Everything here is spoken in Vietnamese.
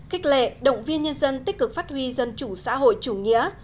khích lệ động viên nhân dân tích cực phát huy dân chủ xã hội chủ nghĩa